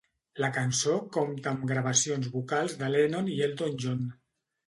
La cançó compta amb gravacions vocals de Lennon i Elton John.